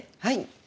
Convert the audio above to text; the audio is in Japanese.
はい。